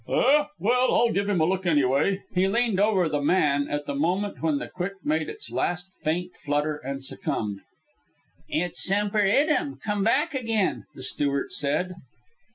"Eh? Well, I'll give him a look, anyway." He leaned over the man at the moment when the quick made its last faint flutter and succumbed. "It's Semper Idem come back again," the steward said.